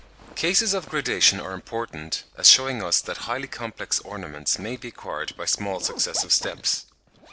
] Cases of gradation are important, as shewing us that highly complex ornaments may be acquired by small successive steps.